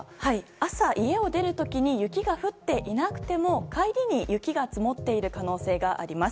朝、家を出る時に雪が降っていなくても帰りに雪が積もっている可能性があります。